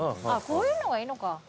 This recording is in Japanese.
あっこういうのがいいのか。